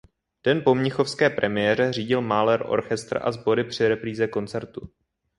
Den po mnichovské premiéře řídil Mahler orchestr a sbory při repríze koncertu.